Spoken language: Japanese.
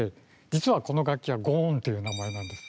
実はこの楽器はゴーンっていう名前なんです。